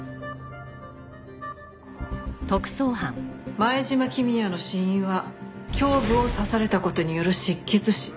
前島公也の死因は胸部を刺された事による失血死。